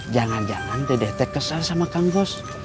jangan jangan teh kesal sama kang bos